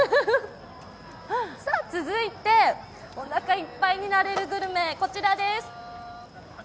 続いて、おなかいっぱいになれるグルメ、こちらです。